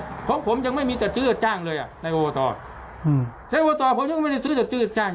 เพราะผมยังไม่มีจัดจิ้อจ้างเลยอ่ะในโอวตอดอืมในโอวตอดผมยังไม่ได้ซื้อจัดจิ้อจ้าง